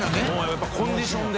笋辰コンディションで。